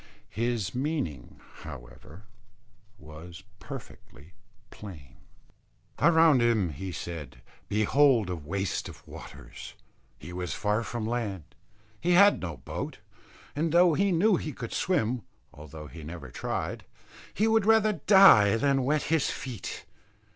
His meaning, however, was perfectly plain. Around him, he said, behold a waste of waters; he was far from land; he had no boat; and though he knew he could swim, although he never tried, he would rather die than wet his feet.